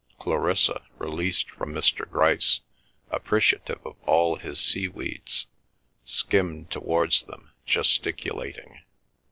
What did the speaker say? Clarissa, released from Mr. Grice, appreciative of all his seaweeds, skimmed towards them, gesticulating.